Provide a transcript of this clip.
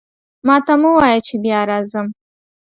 ماته مه وایه چې بیا راځم.